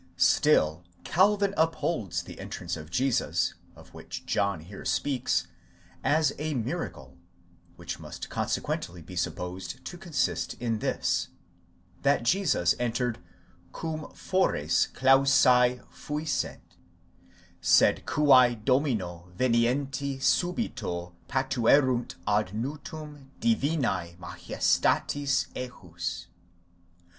Still Calvin upholds the entrance of Jesus of which John here speaks as a miracle, which must consequently be supposed to con sist in this, that Jesus entered cum fores clause fuissent, sed que Domino veniente subito patuerunt ad nutum divine majestatis ejus.